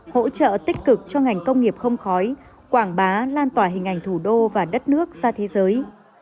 hỗ trợ tích cực cho ngành công nghiệp không khói quảng bá lan tỏa hình ảnh thủ đô và đất nước ra thế giới